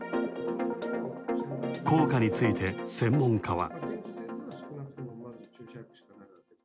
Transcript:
効果について専門家は。